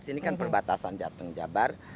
ini kan perbatasan jateng jabar